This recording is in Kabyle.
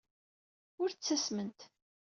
Ur ttasment.